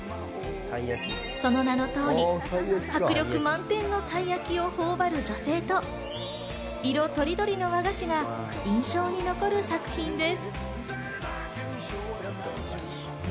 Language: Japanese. その名の通り迫力満点のたい焼きをほおばる女性と、色とりどりの和菓子が印象に残る作品です。